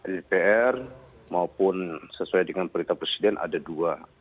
dpr maupun sesuai dengan perintah presiden ada dua